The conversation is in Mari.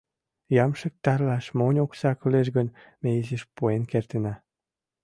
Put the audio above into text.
Ямшык тарлаш монь окса кӱлеш гын, ме изиш пуэн кертына.